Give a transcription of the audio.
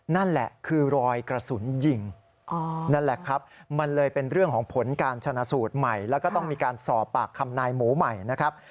นั่นแหละคือรอยกระสุนยิงนั่นแหละครับมันเลยเป็นเรื่องของผลการชนะสูตรใหม่แล้วก็ต้องมีการสอบปากคำนายหมูใหม่นะครับ